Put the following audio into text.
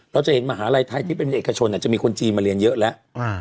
เราจะเห็นมหาลัยไทยที่เป็นเอกชนจะมีคนจีนมาเรียนเยอะแล้ว